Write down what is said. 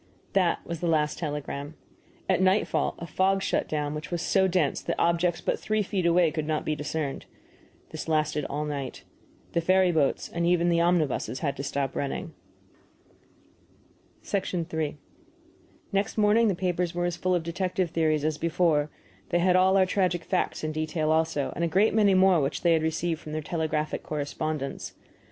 That was the last telegram. At nightfall a fog shut down which was so dense that objects but three feet away could not be discerned. This lasted all night. The ferry boats and even the omnibuses had to stop running. III Next morning the papers were as full of detective theories as before; they had all our tragic facts in detail also, and a great many more which they had received from their telegraphic correspondents.